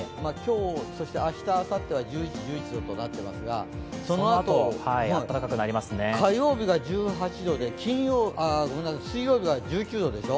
今日、そして明日あさっては１１度、１１度となっていますが、そのあと、火曜日が１８度で水曜日は１９度でしょ。